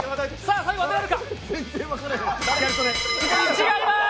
違います！